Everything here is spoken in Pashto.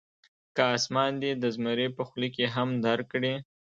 که اسمان دې د زمري په خوله کې هم درکړي.